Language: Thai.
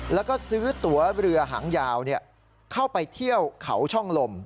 แล้วก็ซื้อตัวเรือหางยาวเข้าไปเที่ยวเขาช่องลม